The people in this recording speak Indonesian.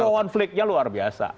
konfliknya luar biasa